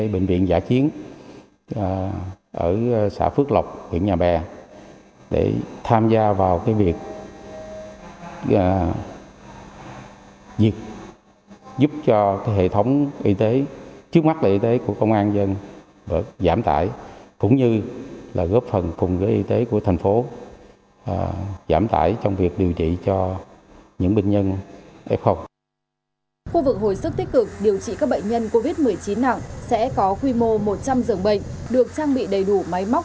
bệnh viện giã chiến điều trị bệnh nhân covid một mươi chín phức lọc được đặt tại xí nghiệp x ba mươi huyện nhà bè tp hcm